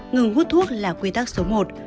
ngừng hút thuốc là quy tắc số một